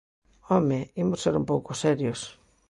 ¡Home, imos ser un pouco serios!